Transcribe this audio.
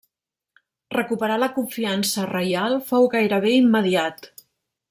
Recuperar la confiança reial fou gairebé immediat.